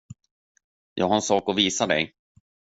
Jag har en sak att visa dig.